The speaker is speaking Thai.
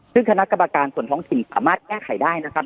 ซึ่งคณะกรรมการส่วนท้องถิ่นสามารถแก้ไขได้นะครับ